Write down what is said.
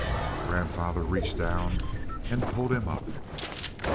Grandfather reached down and pulled him up.